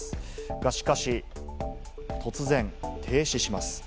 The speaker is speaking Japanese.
が、しかし突然、停止します。